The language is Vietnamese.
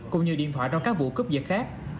cũng như điện thoại trong các vụ cướp dật khác